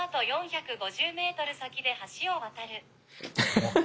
ハハハハ。